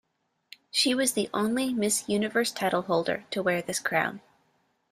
She was the only Miss Universe titleholder to wear this crown.